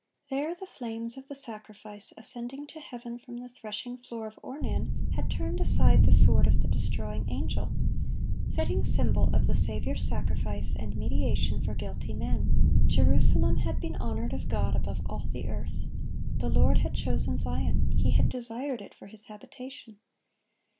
There, the flames of the sacrifice ascending to heaven from the threshing floor of Ornan had turned aside the sword of the destroying angel(6)—fitting symbol of the Saviour's sacrifice and mediation for guilty men. Jerusalem had been honored of God above all the earth. The Lord had "chosen Zion," He had "desired it for His habitation."